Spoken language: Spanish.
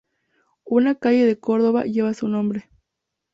Una calle de Córdoba lleva su nombre.